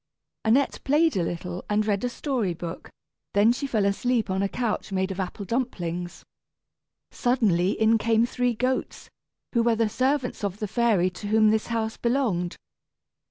Annette played a little and read a story book, then she fell asleep on a couch made of apple dumplings. Suddenly in came three goats, who were the servants of the fairy to whom this house belonged.